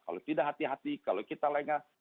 kalau tidak hati hati kalau kita lengah